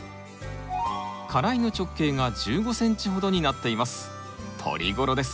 花蕾の直径が１５ｃｍほどになっています。